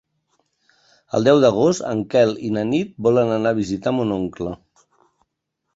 El deu d'agost en Quel i na Nit volen anar a visitar mon oncle.